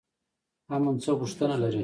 امن څه غوښتنه لري؟